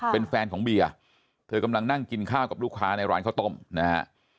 เป็นแฟนของเบียร์เธอกำลังนั่งกินข้าวกับลูกค้าในร้านข้าวต้มนะฮะ